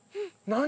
何？